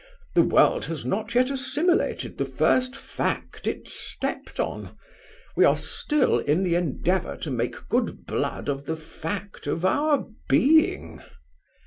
The world has not yet assimilated the first fact it stepped on. We are still in the endeavour to make good blood of the fact of our being."